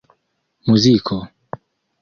muziko